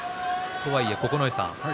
とはいえ九重さん